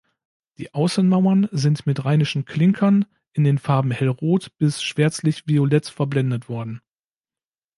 Die Außenmauern sind mit rheinischen Klinkern in den Farben hellrot bis schwärzlich-violett verblendet worden.